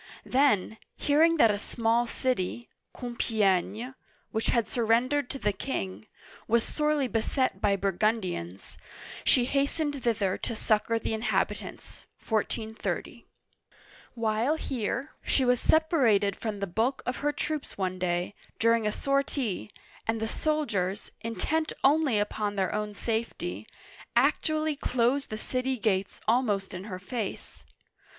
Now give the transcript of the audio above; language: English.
Then, hearing that a small city (Compi^gne), which had surrendered to the king, was Digitized by Google 194 OLD FRANCE sorely beset by Burgundians, she hastened thither to succor the inhabitants (1430). While here, she was sepa rated from the bulk of her troops one day, during a sortie, and the soldiers, intent only upon their own safety, actually closed the city gates almost in her face.